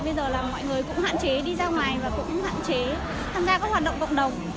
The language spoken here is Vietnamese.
bây giờ là mọi người cũng hạn chế đi ra ngoài và cũng hạn chế tham gia các hoạt động cộng đồng